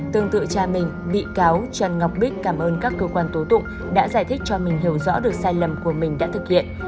tương tự cha mình bị cáo trần ngọc bích cảm ơn các cơ quan tố tụng đã giải thích cho mình hiểu rõ được sai lầm của mình đã thực hiện